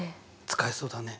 使えそうだね。